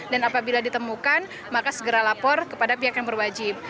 apabila ditemukan maka segera lapor kepada pihak yang berwajib